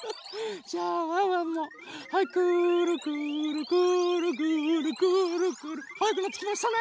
じゃあワンワンもはいくるくるくるくるはやくなってきましたね。